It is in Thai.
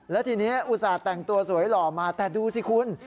แล้วทีนี้อุตส่าห์แต่งตัวสวยหล่อมาแต่ดูสิคุณ